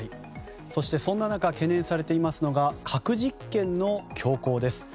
そして、そんな中懸念されていますのが核実験の強行です。